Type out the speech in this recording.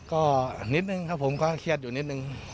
ก็นิดนึงครับผมก็เครียดอยู่นิดนึง